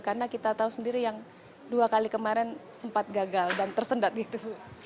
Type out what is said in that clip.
karena kita tahu sendiri yang dua kali kemarin sempat gagal dan tersendat gitu